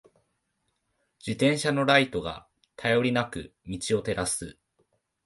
自転車のライトが、頼りなく道を照らす。